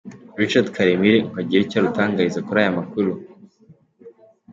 Richard Karemire, ngo agire icyo arutangariza kuri aya makuru.